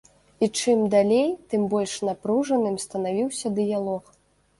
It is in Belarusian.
І чым далей, тым больш напружаным станавіўся дыялог.